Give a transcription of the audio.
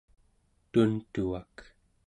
tuntuvak